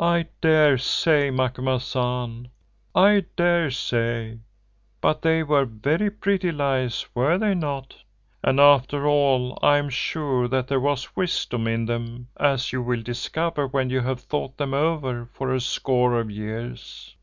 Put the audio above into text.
"I daresay, Macumazahn, I daresay, but they were very pretty lies, were they not? And after all I am sure that there was wisdom in them, as you will discover when you have thought them over for a score of years.